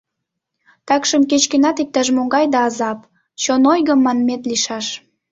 Такшым кеч-кӧнат иктаж-могай да азап, чон ойго манмет лийшаш.